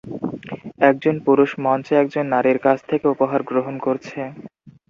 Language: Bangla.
একজন পুরুষ মঞ্চে একজন নারীর কাছ থেকে উপহার গ্রহণ করছে।